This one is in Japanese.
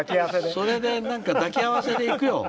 それで何か抱き合わせで行くよ。